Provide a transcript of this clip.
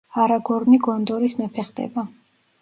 არაგორნი გონდორის მეფე ხდება.